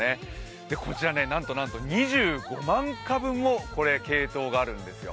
こちら、なんとなんと２５万株もケイトウがあるんですよ。